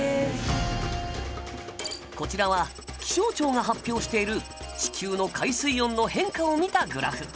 こちらは気象庁が発表している地球の海水温の変化を見たグラフ。